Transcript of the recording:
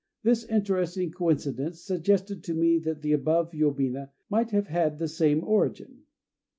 This interesting coincidence suggested to me that the above yobina might have had the same origin.